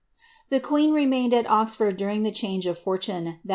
The queen remained at Oxford during the change of fortune that.